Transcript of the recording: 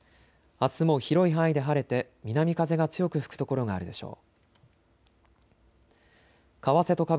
あすも広い範囲で晴れて南風が強く吹く所があるでしょう。